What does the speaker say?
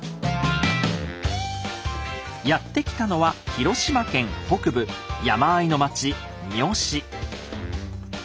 やって来たのは広島県北部山あいの町三次。